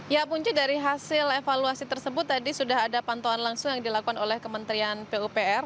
ya punci dari hasil evaluasi tersebut tadi sudah ada pantauan langsung yang dilakukan oleh kementerian pupr